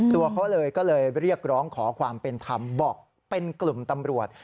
ตัวเขาเลยก็เลยเรียกร้องขอความเป็นธรรมบอกเป็นกลุ่มตำรวจ